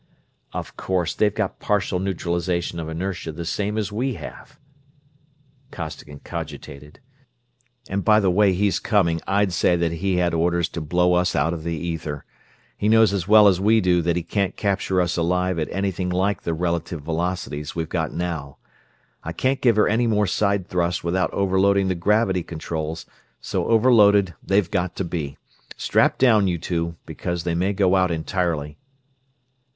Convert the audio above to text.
"Of course, they've got partial neutralization of inertia, the same as we have," Costigan cogitated, "and by the way he's coming I'd say that he had orders to blow us out of the ether he knows as well as we do that he can't capture us alive at anything like the relative velocities we've got now. I can't give her any more side thrust without overloading the gravity controls, so overloaded they've got to be. Strap down, you two, because they may go out entirely."